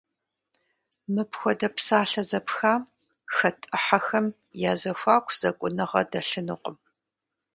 Мыпхуэдэ псалъэ зэпхам хэт ӏыхьэхэм я зэхуаку зэкӏуныгъэ дэлъынукъым.